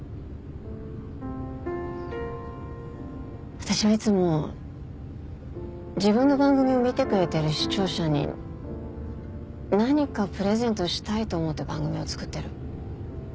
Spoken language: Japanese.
私はいつも自分の番組を見てくれてる視聴者に何かプレゼントしたいと思って番組を作ってる。